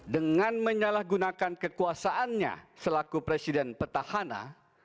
dengan menyalahgunakan kekuasaannya selaku presiden petahana